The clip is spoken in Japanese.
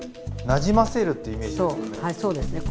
なじませるっていうイメージですかね？